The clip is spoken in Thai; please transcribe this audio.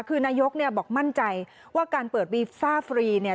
คือนายกเนี่ยบอกมั่นใจว่าการเปิดวีฟ่าฟรีเนี่ย